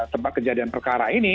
tempat kejadian perkara ini